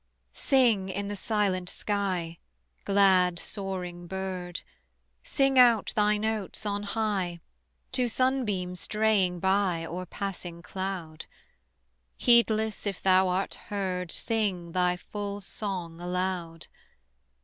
Sing in the silent sky, Glad soaring bird; Sing out thy notes on high To sunbeam straying by Or passing cloud; Heedless if thou art heard Sing thy full song aloud.